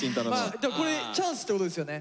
でもこれチャンスってことですよね？